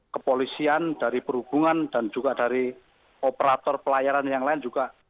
kepolisian dari perhubungan dan juga dari operator pelayaran yang lain juga